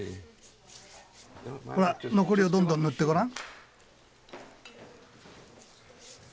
ほら残りをどんどん塗ってごらん。